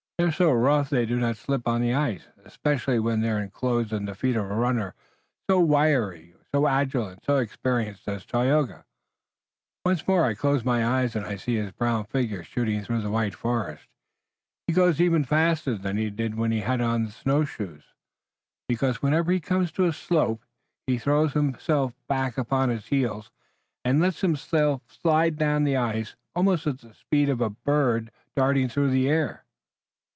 They're so rough they do not slip on the ice, especially when they inclose the feet of a runner, so wiry, so agile and so experienced as Tayoga. Once more I close my eyes and I see his brown figure shooting through the white forest. He goes even faster than he did when he had on the snow shoes, because whenever he comes to a slope he throws himself back upon his heels and lets himself slide down the ice almost at the speed of a bird darting through the air."